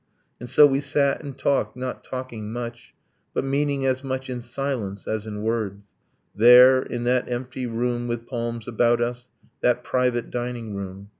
And so we sat and talked, not talking much, But meaning as much in silence as in words, There in that empty room with palms about us, That private dining room